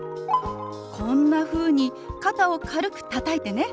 こんなふうに肩を軽くたたいてね。